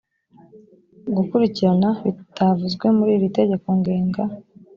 gukurikirana bitavuzwe muri iri tegeko ngenga